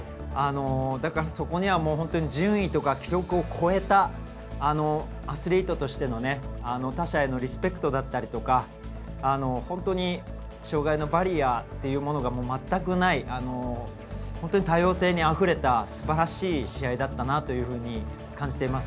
だから、そこには本当に順位とか記録を超えたアスリートとしての他者へのリスペクトだったりとか障がいのバリアというものが全くない本当に多様性にあふれたすばらしい試合だったなと感じています。